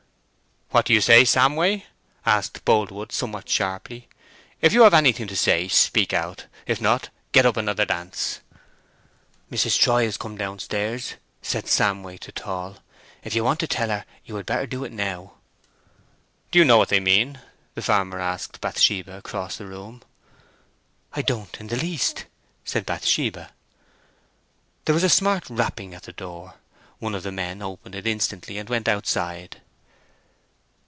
"What do you say, Samway?" asked Boldwood, somewhat sharply. "If you have anything to say, speak out; if not, get up another dance." "Mrs. Troy has come downstairs," said Samway to Tall. "If you want to tell her, you had better do it now." "Do you know what they mean?" the farmer asked Bathsheba, across the room. "I don't in the least," said Bathsheba. There was a smart rapping at the door. One of the men opened it instantly, and went outside.